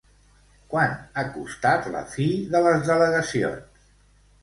Quant ha costat la fi de les delegacions?